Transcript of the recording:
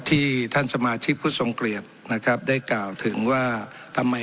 ที่ท่านสมาชิกผู้ทรงเกียรตินะครับได้กล่าวถึงว่าทำไม